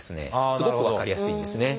すごく分かりやすいんですね。